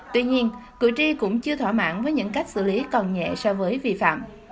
tuy nhiên cử tri cũng chưa thỏa mãn với những cách xử lý còn nhẹ so với vi phạm